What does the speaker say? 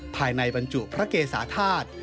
ภายในบรรจุพระเกษาธาตุ